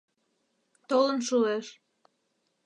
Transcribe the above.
Толын шуэш.